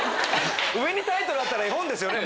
上にタイトルあったら絵本ですよね